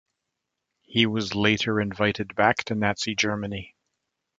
He was later invited back to Nazi Germany.